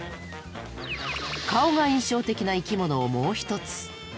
顔が印象的な生きものをもう一つ。